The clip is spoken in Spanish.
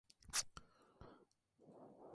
Se cultivan varias especies como planta ornamental.